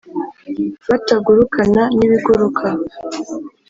Batagurukana n'ibiguruka